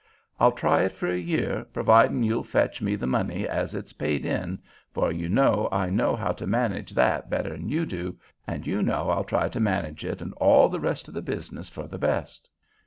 I'll try it for a year providin' you'll fetch me the money as it's paid in, for you know I know how to manage that better'n you do, and you know I'll try to manage it and all the rest of the business for the best."